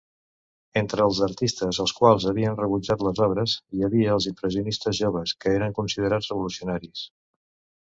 Entre els artistes als quals havien rebutjat les obres hi havia els impressionistes joves, que eren considerats revolucionaris.